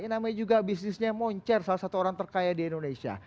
namanya juga bisnisnya moncer salah satu orang terkaya di indonesia